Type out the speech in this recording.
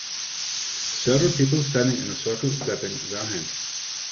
Several people standing in a circle clapping their hands.